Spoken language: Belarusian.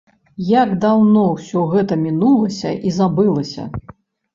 Як даўно ўсё гэта мінулася і забылася!